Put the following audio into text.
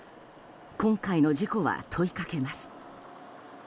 今回の事故は問いかけます。